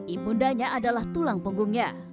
ibu undanya adalah tulang punggungnya